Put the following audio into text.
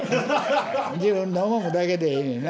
自分の思うことだけでええねんな。